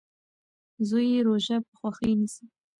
زوی یې روژه په خوښۍ نیسي.